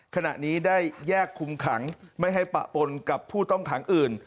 ขณะนี้ได้แยกคุมขังไม่ให้ปะปนกับผู้ต้องขังอื่น